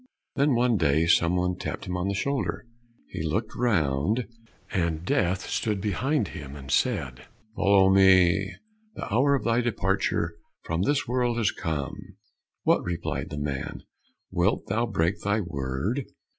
Then one day some one tapped him on the shoulder. He looked round, and Death stood behind him, and said, "Follow me, the hour of thy departure from this world has come." "What," replied the man, "wilt thou break thy word?